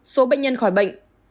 một số bệnh nhân khỏi bệnh